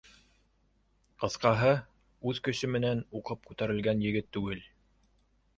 Ҡыҫҡаһы, үҙ көсө менән уҡып күтәрелгән егет түгел.